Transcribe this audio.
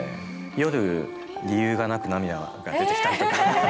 夜、理由がなく涙が出てきたりとか。